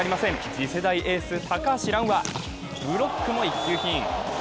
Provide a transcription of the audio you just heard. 次世代エース・高橋藍はブロックも一級品。